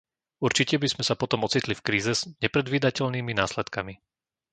Určite by sme sa potom ocitli v kríze s nepredvídateľnými následkami.